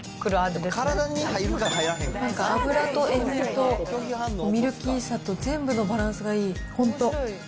なんか、脂と塩味とミルキーさと、全部のバランスがいい。